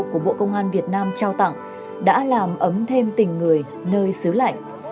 của bộ công an việt nam trao tặng đã làm ấm thêm tình người nơi xứ lạnh